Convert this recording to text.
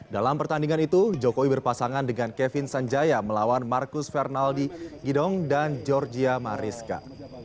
dalam pertandingan itu jokowi berpasangan dengan kevin sanjaya melawan marcus fernaldi gidong dan georgia mariska